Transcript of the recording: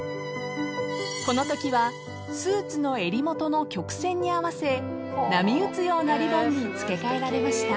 ［このときはスーツの襟元の曲線に合わせ波打つようなリボンに付け替えられました］